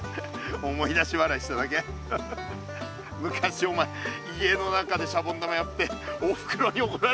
昔お前家の中でシャボン玉やっておふくろにおこられてたよな。